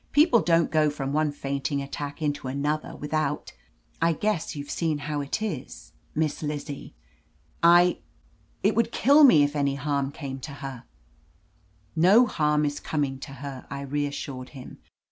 "People don't go from one fainting attack into another without — I guess you've seen how it is. Miss 138 LETITIA CARBERRY 'Lizzie. I — ^it would kill me if any harm came to her r "No harm is coming to her," I reassured him.